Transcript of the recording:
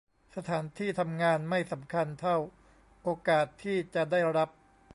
สถานที่ทำงานไม่สำคัญเท่าโอกาสที่จะได้รับ